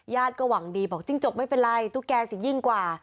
ก็หวังดีบอกจิ้งจกไม่เป็นไรตุ๊กแกสิยิ่งกว่า